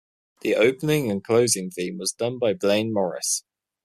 The opening and closing theme was done by Blain Morris.